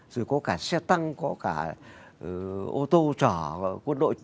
rồi có cả xe tăng có cả ô tô chở quân đội